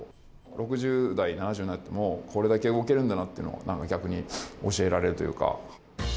６０代、７０代になっても、これだけ動けるんだなっていうの、逆に教えられるというか。